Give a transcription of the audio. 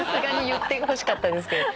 言ってほしかったですけど。